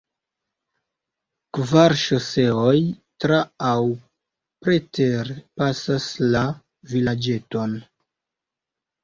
Kvar ŝoseoj tra- aŭ preter-pasas la vilaĝeton.